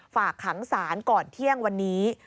ฝากขังศาลก่อนเที่ยงวันนี้